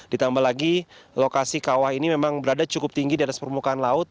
ditambah lagi lokasi kawah ini memang berada cukup tinggi di atas permukaan laut